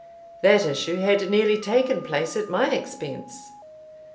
That issue had nearly taken place at my expense.